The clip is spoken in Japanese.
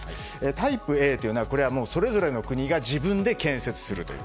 タイプＡというのはそれぞれの国が自分で建設するという。